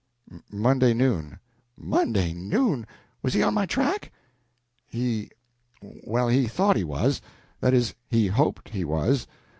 "Monday noon." "Monday noon! Was he on my track?" "He well, he thought he was. That is, he hoped he was.